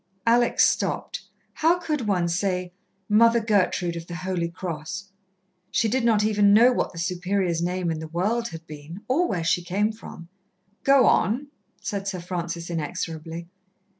Alex stopped. How could one say, "Mother Gertrude of the Holy Cross?" She did not even know what the Superior's name in the world had been, or where she came from. "Go on," said Sir Francis inexorably.